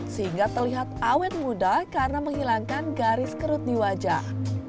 sehingga terlihat awet muda karena menghilangkan garis kerut di wajah